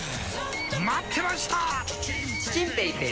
待ってました！